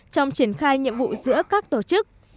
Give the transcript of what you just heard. trong triển khai nhiệm vụ giữa các tổ chức